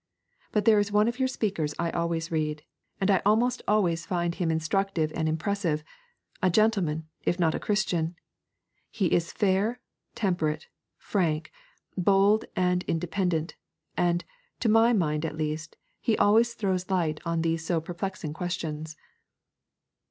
But there is one of your speakers I always read, and I almost always find him instructive and impressive, a gentleman, if not a Christian. He is fair, temperate, frank, bold, and independent; and, to my mind at least, he always throws light on these so perplexing questions.'